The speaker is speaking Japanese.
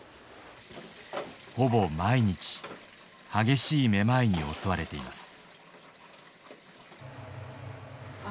ほぼ毎日激しいめまいに襲われています。